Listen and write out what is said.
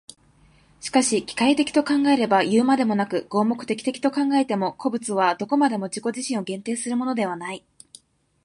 しかし機械的と考えればいうまでもなく、合目的的と考えても、個物はどこまでも自己自身を限定するものではない。